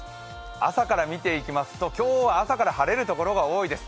朝から見ていきますと今日は朝から晴れるところが多いです。